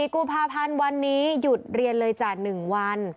กุมภาพันธ์วันนี้หยุดเรียนเลยจ้ะ๑วัน